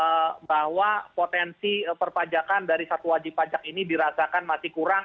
bahwa potensi perpajakan dari satu wajib pajak ini dirasakan masih kurang